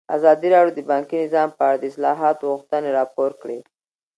ازادي راډیو د بانکي نظام په اړه د اصلاحاتو غوښتنې راپور کړې.